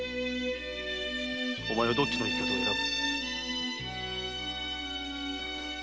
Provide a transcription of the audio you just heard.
お前はどっちの生き方を選ぶ。